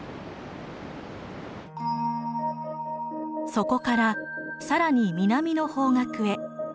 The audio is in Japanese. そこから更に南の方角へ。